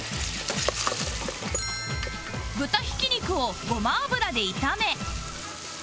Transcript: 豚ひき肉をごま油で炒め